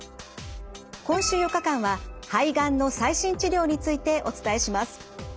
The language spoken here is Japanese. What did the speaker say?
今週４日間は肺がんの最新治療についてお伝えします。